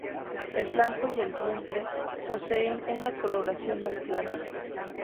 El flanco y el vientre poseen una coloración más clara.